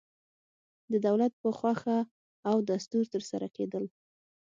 د دولت په خوښه او دستور ترسره کېدل.